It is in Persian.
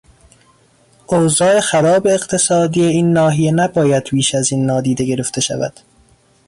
اوضاع خراب اقتصادی این ناحیه نباید بیش ازاین نادیده گرفته شود.